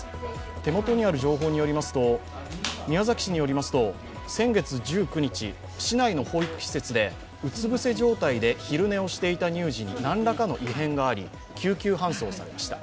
手元にある情報によりますと、宮崎市によりますと先月１９日、市内の保育施設でうつ伏せ状態で昼寝をしていた乳児になんらかの異変があり救急搬送されました。